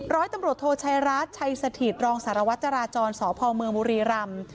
ร้อยตำรวจโทชัยรัฐชัยสถิตรองสารวัตรจราจรสพเมืองบุรีรำ